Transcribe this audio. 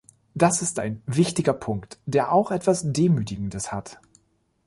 Das ist ein wichtiger Punkt, der auch etwas Demütigendes hat.